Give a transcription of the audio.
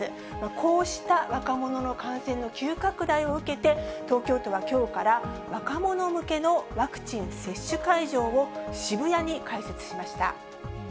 こうした若者の感染の急拡大を受けて、東京都はきょうから若者向けのワクチン接種会場を、渋谷に開設しました。